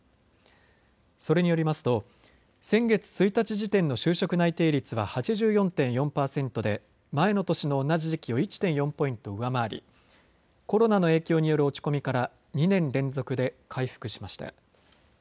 それによりますと先月１日時点の就職内定率は８４．４％で前の年の同じ時期を１．４ポイント上回りコロナの影響による落ち込みから２年連続で回復しました。